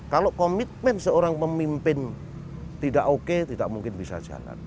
kalau komitmen seorang pemimpin tidak oke tidak mungkin bisa jalan